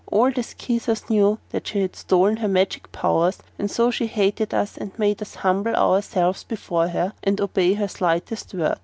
All the Skeezers knew she had stolen her magic powers and so she hated us and made us humble ourselves before her and obey her slightest word.